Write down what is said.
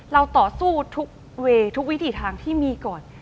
เราต่อสู้ทุกเวย์ทุกวิถีทางที่มีก่อน